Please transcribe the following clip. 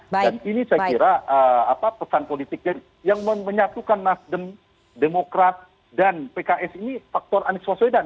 dan ini saya kira pesan politik yang menyatukan nasdem demokrat dan pks ini faktor anies baswedan